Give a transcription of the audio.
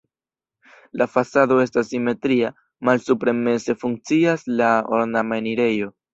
La fasado estas simetria, malsupre meze funkcias la ornama enirejo.